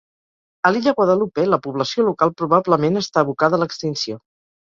A l'illa Guadalupe, la població local probablement està abocada a l'extinció.